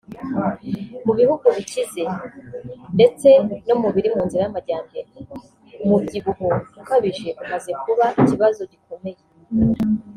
Mu bihugu bikize ndetse no mu biri mu nzira y’amajyambere umubyibuho ukabije umaze kuba ikibazo gikomeye